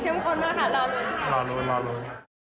เชื่อมคนรอละลุ้น